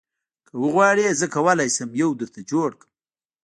که وغواړې زه کولی شم یو درته جوړ کړم